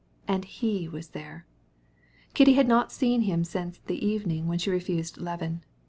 And he was there. Kitty had not seen him since the evening she refused Levin.